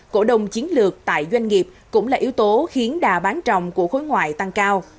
cổ đồng chiến lược tại doanh nghiệp cũng là yếu tố khiến đà bán rồng của khối ngoại tăng cao